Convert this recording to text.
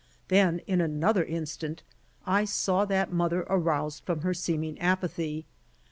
Then in another instant I saw that mother aroused from her seeming apathy.